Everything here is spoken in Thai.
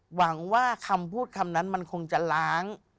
หวังว่าคำพูดคำนั้นมันคงจะล้าง